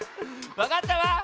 わかったわ。